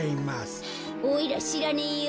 おいらしらねえよ。